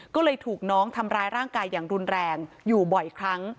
ก็เลยถูกน้องทำร้ายร่างกายอย่างรุนแรงอยู่บ่อยครั้ง